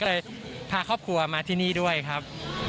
ก็เลยพาครอบครัวมาที่นี่ด้วยครับ